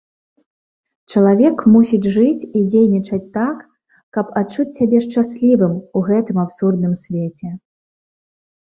Чалавек мусіць жыць і дзейнічаць так, каб адчуць сябе шчаслівым у гэтым абсурдным свеце.